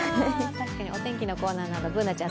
お天気のコーナーなどＢｏｏｎａちゃん